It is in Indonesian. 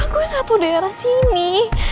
gue gak tau daerah sini